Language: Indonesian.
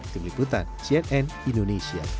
tim liputan cnn indonesia